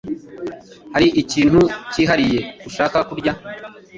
Hari ikintu cyihariye ushaka kurya?